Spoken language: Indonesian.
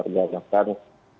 saya langsung diminta untuk